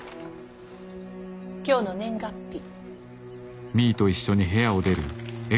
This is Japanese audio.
今日の年月日。